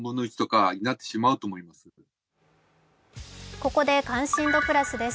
ここで「関心度プラス」です。